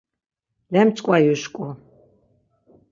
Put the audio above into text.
Lemç̌ǩva yuşǩu.